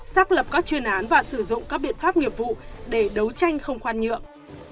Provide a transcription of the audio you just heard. xác lập các chuyên án và sử dụng các biện pháp nghiệp vụ để đấu tranh không khoan nhượng